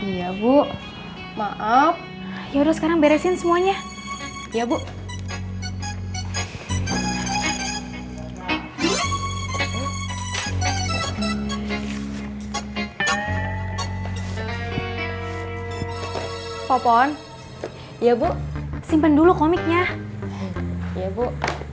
iya bu maaf yaudah sekarang beresin semuanya ya bu popon iya bu simpen dulu komiknya iya bu